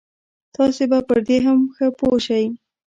تاسې به پر دې هم ښه پوه شئ.